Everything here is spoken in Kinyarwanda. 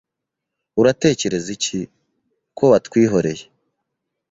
Uratekereza iki?ko watwihoreye